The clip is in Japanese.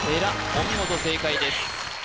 お見事正解です